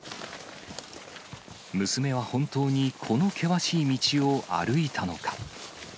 娘は本当にこの険しい道を歩いたのか。